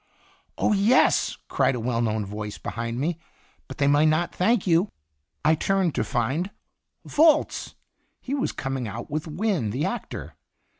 "Oh, yes!" cried a well known voice behind me. "But they might not thank you." I turned to find Volz ! He \vas coming out with Wynne, the actor.